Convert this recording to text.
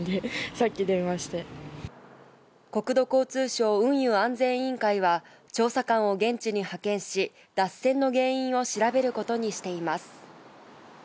国土交通省運輸安全委員会は調査官を現地に派遣し、脱線の原因を調べることにしています。